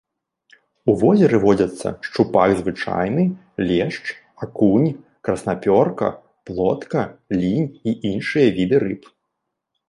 У возеры водзяцца шчупак звычайны, лешч, акунь, краснапёрка, плотка, лінь і іншыя віды рыб.